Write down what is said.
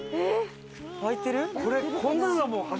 開いてる？